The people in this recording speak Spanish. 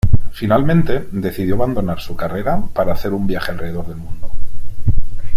Finalmente, decidió abandonar su carrera para hacer un viaje alrededor del mundo.